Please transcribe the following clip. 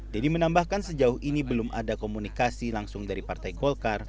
dedy menambahkan sejauh ini belum ada komunikasi langsung dari partai golkar